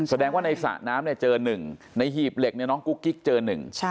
แสดงว่าในสระน้ำเนี่ยเจอหนึ่งในหีบเหล็กเนี่ยน้องกุ๊กกิ๊กเจอหนึ่ง